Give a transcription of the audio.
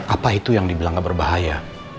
apa itu yang dibilang berbahaya